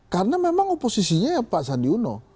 karena memang oposisinya ya pak sandiuno